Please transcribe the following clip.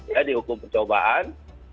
ya dihukum percobaan